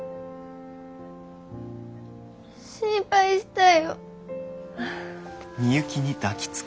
心配したよ。